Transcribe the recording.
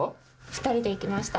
２人で行きました。